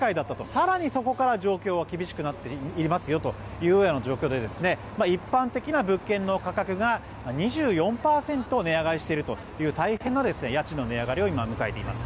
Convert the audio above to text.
更にそこから状況は厳しくなっていますよという状況で一般的な物件の価格が２４％値上がりしているという大変な家賃の値上がりを今、迎えています。